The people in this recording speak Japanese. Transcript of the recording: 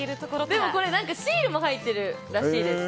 でも、これシールも入ってるらしいです。